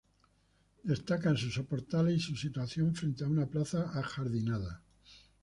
Destacan sus soportales y su situación frente a una plaza ajardinada.